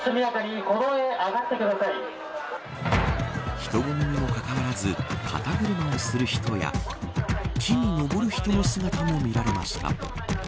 人混みにもかかわらず肩車をする人や木に登る人の姿も見られました。